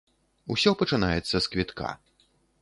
Усё пачынаецца з квітка.